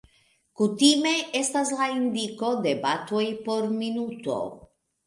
Kutime estas la indiko de batoj por minuto.